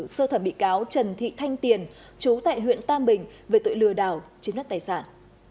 sơ thẩm bị cáo trần thị thanh tiền chú tại huyện tam bình về tội lừa đảo chiếm đất tài sản